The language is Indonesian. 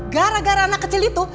gara gara anak kecil itu